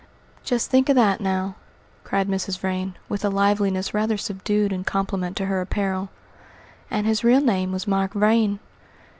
"Just think of that now!" cried Mrs. Vrain, with a liveliness rather subdued in compliment to her apparel; "and his real name was Mark Vrain.